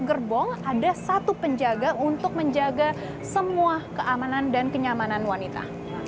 gerbong ada satu penjaga untuk menjaga semua keamanan dan kenyamanan wanita